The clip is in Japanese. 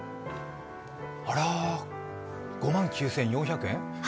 あらー５万９４００円？